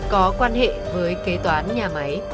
có quan hệ với kế toán nhà máy